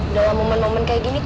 dalam momen momen kayak gini